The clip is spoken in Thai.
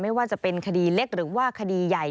ไม่ว่าจะเป็นคดีเล็กหรือว่าคดีใหญ่